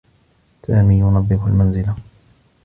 سامي ينظّف المنزل.